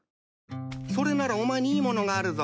それならお前にいいものがあるぞ。